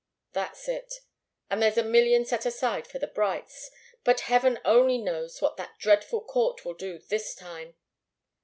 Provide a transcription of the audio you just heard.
"That's it. And there's a million set aside for the Brights. But Heaven only knows what that dreadful court will do this time!"